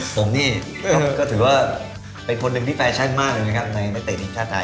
ผมนี่ก็ถือว่าเป็นคนหนึ่งที่แฟชั่นมากเลยนะครับในนักเตะทีมชาติไทย